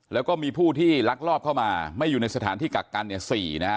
แล้วก็มีผู้ที่ลักลอบเข้ามาไม่อยู่ในสถานที่กักกันเนี่ย๔นะฮะ